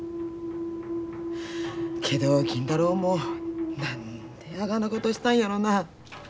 けど金太郎も何であがなことしたんやろな。